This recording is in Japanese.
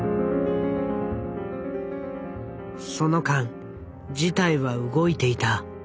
その間事態は動いていた。